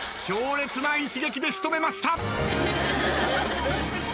強烈な一撃で仕留めました。